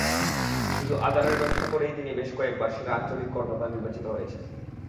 শুধু আচারের ব্যবসা করেই তিনি বেশ কয়েকবার সেরা আঞ্চলিক করদাতা নির্বাচিত হয়েছেন।